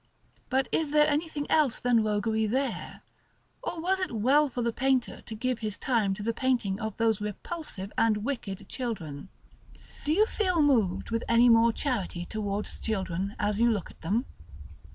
But is there anything else than roguery there, or was it well for the painter to give his time to the painting of those repulsive and wicked children? Do you feel moved with any charity towards children as you look at them?